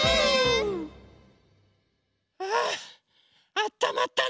ああったまったね。